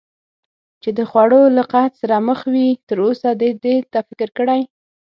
چې د خوړو له قحط سره مخ وي، تراوسه دې دې ته فکر کړی؟